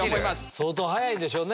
相当早いんでしょうね。